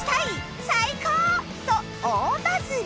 「最高！」と大バズり